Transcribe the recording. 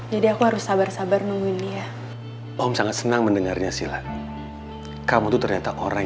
jadi aku harus sabar sabar nunggu ini ya om sangat senang mendengarnya sila kamu tuh ternyata orang